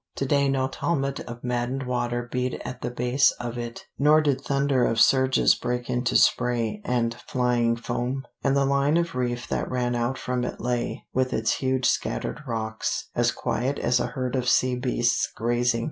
To day no tumult of maddened water beat at the base of it, nor did thunder of surges break into spray and flying foam, and the line of reef that ran out from it lay, with its huge scattered rocks, as quiet as a herd of sea beasts grazing.